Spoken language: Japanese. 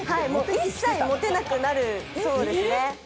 一切モテなくなるそうですね。